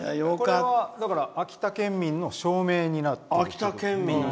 これは秋田県民の証明になるという。